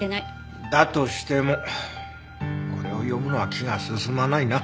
だとしてもこれを読むのは気が進まないな。